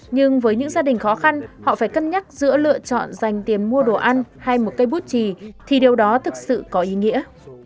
nhưng với những gia đình khó khăn họ phải cân nhắc giữa lựa chọn dành tiền mua đồ ăn hay một cây bút trì thì điều đó thực sự có ý nghĩa